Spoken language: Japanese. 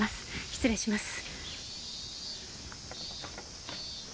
失礼します。